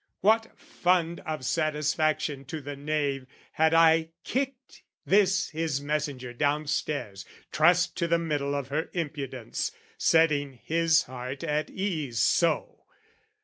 "What fund of satisfaction to the knave, "Had I kicked this his messenger downstairs, "Trussed to the middle of her impudence, "Setting his heart at ease so!